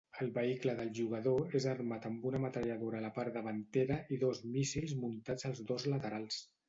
El vehicle del jugador és armat amb una metralladora a la part davantera i dos míssils muntats als dos laterals.